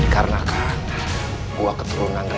karena kan gua keturunan rendah